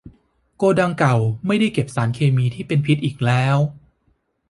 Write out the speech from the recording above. โกดังเก่าไม่ได้เก็บสารเคมีที่เป็นพิษอีกแล้ว